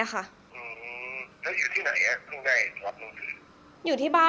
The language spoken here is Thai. คุณพ่อได้จดหมายมาที่บ้าน